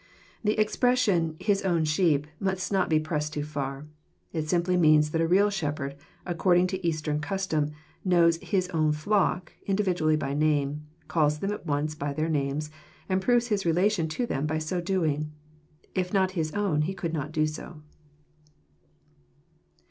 The expression, " his own sheep," must not be pressed too far. ^ It simply means that a real shepherd, according to Eastern cus tom, knowing hia own flock individually by name, calls them at once by their names, and proves his relation to them by so doing. If not his own, he could not do so.